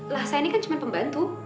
lah saya ini kan cuma pembantu